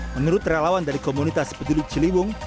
menurut relawan dari komunitas peduli ciliwung